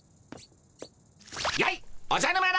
やいおじゃる丸！